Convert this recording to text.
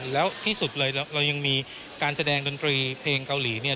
แล้วที่สุดเลยเรายังมีการแสดงดนตรีเพลงเกาหลีเนี่ย